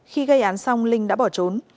khi gây án xong linh đã bỏ trốn